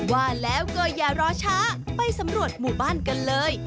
ว่าแล้วก็อย่ารอช้าไปสำรวจหมู่บ้านกันเลย